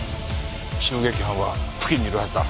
襲撃犯は付近にいるはずだ。